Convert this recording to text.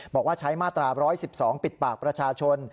บอกว่าใช้มาตรา๑๑๒ปิดปากประชาชน